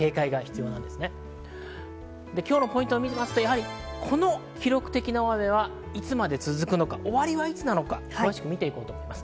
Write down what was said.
今日のポイントはこの記録的な大雨はいつまで続くのか、終わりはいつなのか詳しくみていきます。